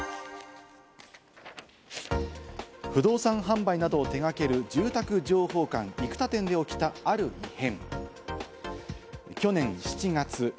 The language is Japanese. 不動産販売などを手掛ける住宅情報館・生田店で起きたある異変。